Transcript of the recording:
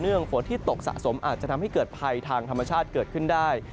ฝนที่ตกสะสมอาจจะทำให้เกิดภัยทางธรรมชาติเกิดขึ้นได้